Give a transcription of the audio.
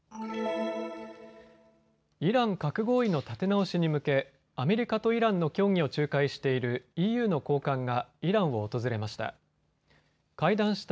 イラン核合意の立て直しに向け、アメリカとイランの協議を仲介しているＥＵの高官がイランを訪れました。